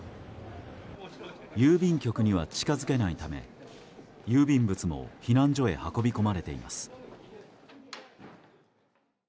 郵便局には近づけないため郵便物も避難所へ運び込まれています。